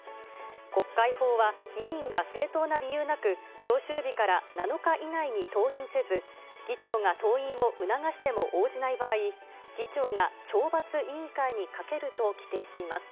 国会法は議員が正当な理由なく、召集日から７日以内に登院せず、議長が登院を促しても応じない場合、議長が懲罰委員会にかけると規定しています。